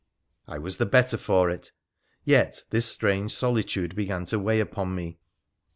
I was the better for it, yet this strange solitude began to weigh upon me.